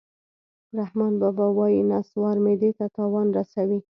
رحمان بابا وایي: نصوار معدې ته تاوان رسوي